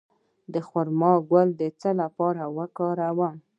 د خرما ګل د څه لپاره وکاروم؟